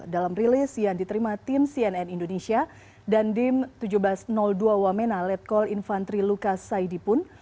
dalam rilis yang diterima tim cnn indonesia dan dim seribu tujuh ratus dua wamena letkol infantri lukas saidi pun